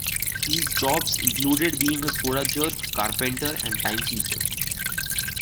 His jobs included being a soda-jerk, carpenter and timekeeper.